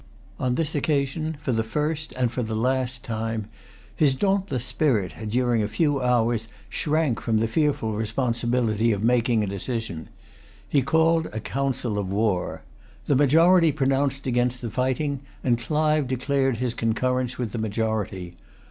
On this occasion, for the first and for the last time, his dauntless spirit, during a few hours, shrank from the fearful responsibility of making a decision He called a council of war. The majority pronounced against fighting; and Clive declared his concurrence with the majority.